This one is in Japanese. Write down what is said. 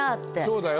そうだよ。